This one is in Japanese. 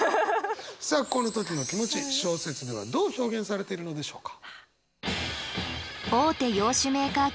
さあこの時の気持ち小説ではどう表現されているのでしょうか。